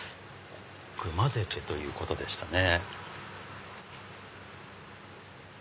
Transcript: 混ぜてということでしたね。